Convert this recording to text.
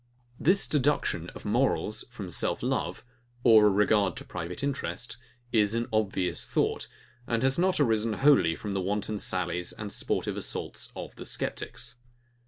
This deduction of morals from self love, or a regard to private interest, is an obvious thought, and has not arisen wholly from the wanton sallies and sportive assaults of the sceptics.